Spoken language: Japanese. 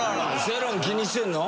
世論気にしてるの？